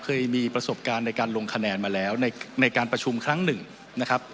เคยมีประสบการณ์ในการลงคะแนนมาแล้วในการประชุมครั้งหนึ่งนะครับ